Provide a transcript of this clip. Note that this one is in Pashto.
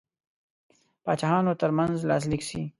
پاچاهانو ترمنځ لاسلیک سي.